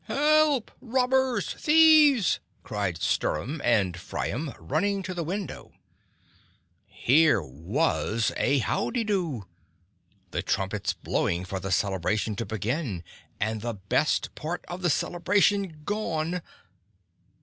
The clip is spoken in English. "Help! Robbers! Thieves!" cried Stirem and Friem, running to the window. Here was a howdedo. The trumpets blowing for the celebration to begin and the best part of the celebration gone!